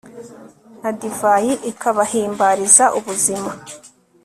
na divayi ikabahimbariza ubuzima